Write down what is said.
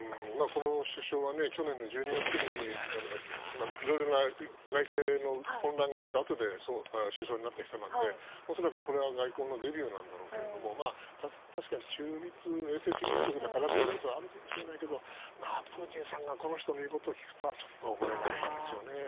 この首相は去年１２月にいろいろな内政の混乱があったあとで首相になった人なので恐らく、これが外交のデビューなんでしょうけども確かに永世中立国だからということはあるかもしれないけどプーチンさんがこの人の言うことを聞くとはちょっと思えないですよね。